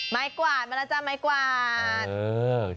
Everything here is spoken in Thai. ไม้กวาดมาแล้วจ้ะไม้กวาด